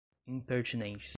impertinentes